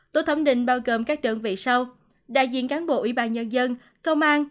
tổ thẩm định bao gồm các đơn vị sau đại diện cán bộ y bàn nhân dân công an